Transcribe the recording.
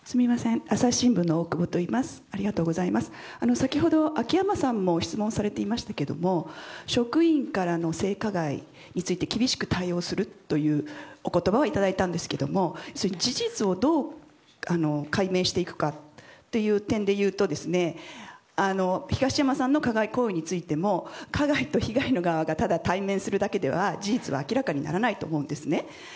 先ほども質問がありましたが職員からの性加害について厳しく対応するというお言葉をいただいたんですけど事実をどう解明していくかという点で言うと東山さんの加害行為についても加害と被害の側がただ対面するだけでは、事実は明らかにならないと思うんですね。